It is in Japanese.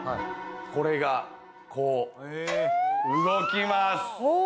これが、こう動きます。